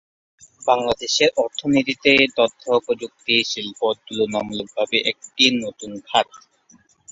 বাংলাদেশের অর্থনীতিতে তথ্যপ্রযুক্তি শিল্প তুলনামূলকভাবে একটি নতুন খাত।